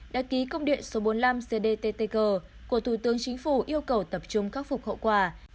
đã ký công điện số bốn mươi năm cdttg của thủ tướng chính phủ yêu cầu tập trung khắc phục hậu quả